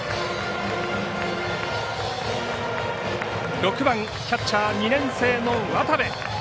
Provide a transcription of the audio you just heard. ６番キャッチャー２年生の渡部。